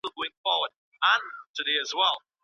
پېروی خوږ نه وي.